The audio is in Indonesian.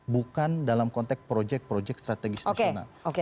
bukan dalam konteks proyek proyek strategis nasional